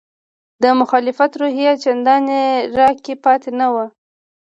د مخالفت روحیه چندانې راکې پاتې نه وه.